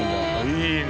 いいね。